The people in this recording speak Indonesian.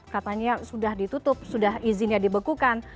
katanya sudah ditutup sudah izinnya dibekukan